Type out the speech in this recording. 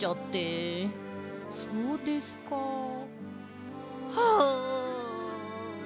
そうですか。はあ。